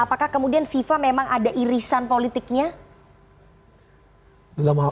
apakah kemudian fifa memang ada irisan politiknya